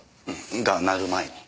が鳴る前に。